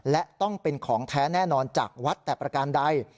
และต้องเป็นของแท้แน่นอนจากวัดแต่ประการใด